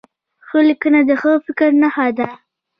ښه لیکنه د ښه فکر نښه ده.